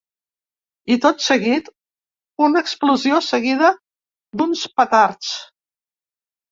I tot seguit una explosió seguida d’uns petards.